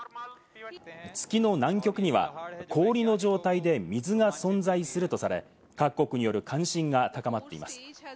月の南極には氷の状態で水が存在するとされ、各国による関心が高まっています。